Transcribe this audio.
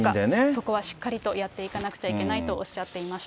そこはしっかりとやっていかなくちゃいけないとおっしゃっていました。